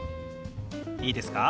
いいですか？